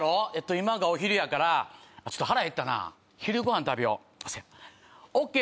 今がお昼やからあっちょっと腹減ったな昼ご飯食べようあっせやオッケー